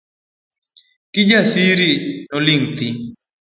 Kijasiri noling thii.